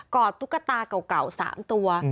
อดตุ๊กตาเก่า๓ตัว